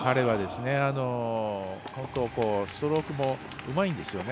彼はストロークもうまいんですよね。